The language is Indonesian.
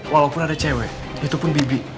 walaupun ada cewek itu pun bibi